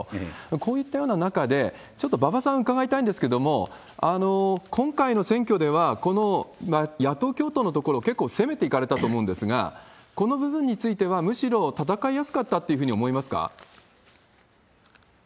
こういったような中で、ちょっと馬場さん、伺いたいんですけど、今回の選挙では、この野党共闘のところ、結構攻めていかれたと思うんですが、この部分についてはむしろ戦いやすかったというふうに思いますか？